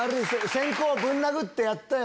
先公ぶん殴ってやったよ？